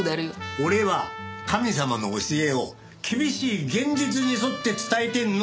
俺は神様の教えを厳しい現実に沿って伝えてんの。